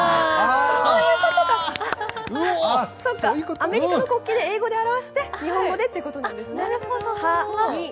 アメリカの国旗で英語で表して、日本語でということなんですね。